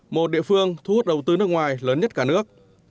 một địa phương thu hút đầu tư nước ngoài lớn nhất cả nước